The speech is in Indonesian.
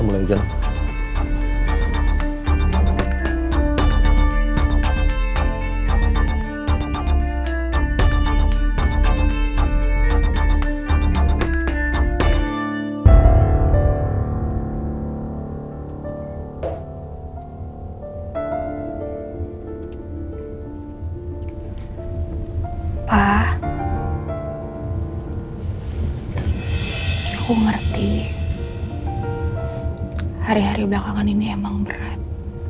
pak aku ngerti hari hari belakangan ini emang berat